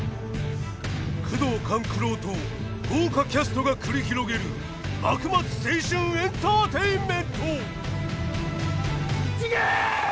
宮藤官九郎と豪華キャストが繰り広げる幕末青春エンターテインメント！